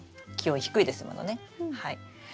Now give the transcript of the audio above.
気温低いですものねはい。